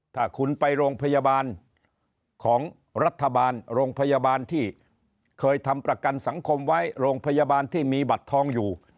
ถ้าคุณไปโรงพยาบาลของรัฐบาลโรงพยาบาลที่เคยทำประกันสังคมไว้โรงพยาบาลที่มีบัตรทองอยู่